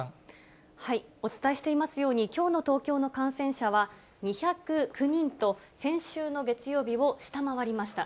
お伝えしていますように、きょうの東京の感染者は２０９人と、先週の月曜日を下回りました。